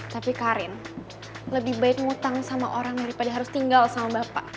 tapi karin lebih baik ngutang sama orang daripada harus tinggal sama bapak